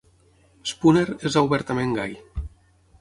Spooner és obertament gai.